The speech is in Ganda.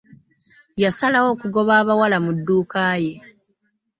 Yasalawo okugoba abawala mu dduuka ye.